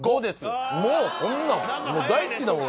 もうこんなん大好きだもん